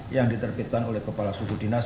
yang diterbitkan oleh kepala suku dinas